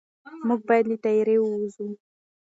موږ باید له تیارې ووځو.